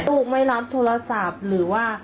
ลูกไม่รับโทรศัพท์หรือว่า